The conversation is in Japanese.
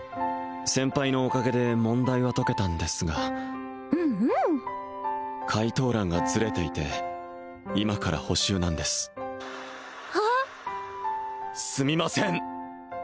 先輩のおかげで問題は解けたんですがうんうん解答欄がズレていて今から補習なんですえすみません！